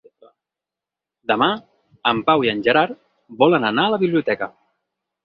Demà en Pau i en Gerard volen anar a la biblioteca.